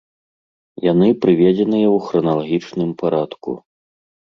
Яны прыведзеныя ў храналагічным парадку.